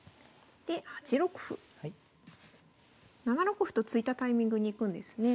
７六歩と突いたタイミングにいくんですね。